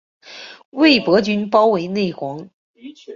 魏博军包围内黄。